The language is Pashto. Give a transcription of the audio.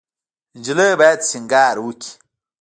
انجلۍ باید سینګار وکړي.